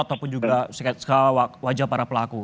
tidak seket seket wajah para pelaku